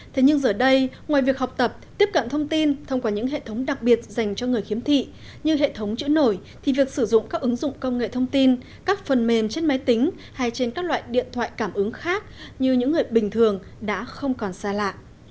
thế nhưng giờ đây ngoài việc học tập tiếp cận thông tin thông qua những hệ thống đặc biệt dành cho người khiếm thị như hệ thống chữ nổi thì việc sử dụng các ứng dụng công nghệ thông tin các phần mềm trên máy tính hay trên các loại điện thoại cảm ứng khác như những người bình thường đã không còn xa lạ